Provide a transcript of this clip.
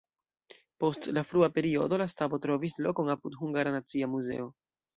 Post la frua periodo la stabo trovis lokon apud Hungara Nacia Muzeo.